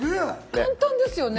簡単ですよね。